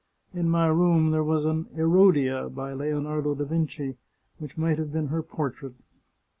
In my room there was an Herodia, by Leonardo da Vinci, which might have been her portrait.